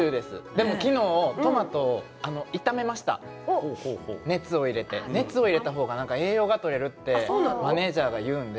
でも昨日トマトを炒めました熱を入れて熱を入れた方が栄養がとれるってマネージャーが言うんで。